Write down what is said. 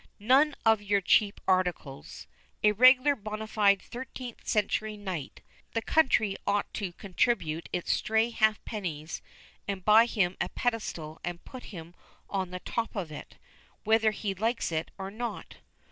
"None of your cheap articles a regular bonafide thirteenth century knight. The country ought to contribute its stray half pennies and buy him a pedestal and put him on the top of it, whether he likes it or not.